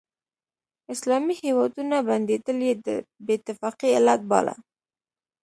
اسلامي هیوادونه بندېدل یې د بې اتفاقۍ علت باله.